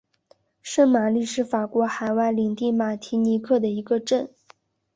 圣玛丽是法国海外领地马提尼克的一个镇。